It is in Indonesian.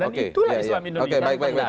dan itulah islam indonesia